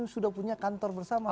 sudah punya kantor bersama